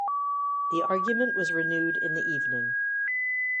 The argument was renewed in the evening.